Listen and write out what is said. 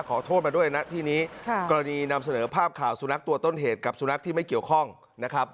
ขอโทษมาด้วยนะที่นี้กรณีนำเสนอภาพข่าวสุนัขตัวต้นเหตุกับสุนัขที่ไม่เกี่ยวข้องนะครับ